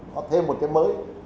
có thêm một cái mới